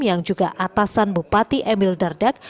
yang juga atasan bupati emil dardak